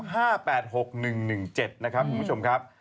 ห้าแปดหกหนึ่งหนึ่งเจ็ดนะครับคุณผู้ชมครับ